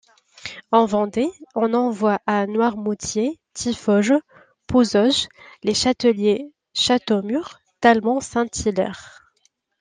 En Vendée, on en voit à Noirmoutier, Tiffauges, Pouzauges, les Châtelliers-Châteaumur, Talmont-saint-Hilaire.